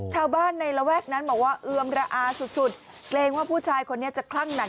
ชาวบ้านในระแวกนั้นบอกว่าเอือมระอาสุดสุดเกรงว่าผู้ชายคนนี้จะคลั่งหนัก